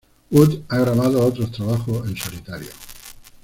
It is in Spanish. Wood ha grabado otros trabajos en solitario.